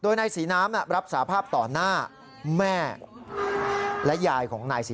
ยายไม่ลงมือฆ่าแม่และยายของแม่